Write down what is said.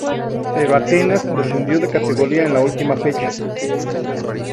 Pero Atenas descendió de categoría en la última fecha.